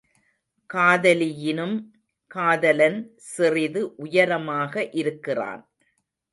காதலியினும் காதலன் சிறிது உயரமாக இருக்கிறான்.